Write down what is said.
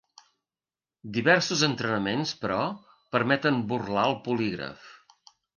Diversos entrenaments, però, permeten burlar el polígraf.